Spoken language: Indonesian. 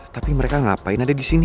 tapi mereka ngapain ada disini